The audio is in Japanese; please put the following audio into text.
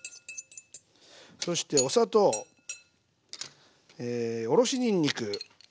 そしてお砂糖おろしにんにく。